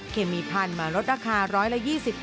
เคมีพันธุ์มาลดราคาร้อยละ๒๐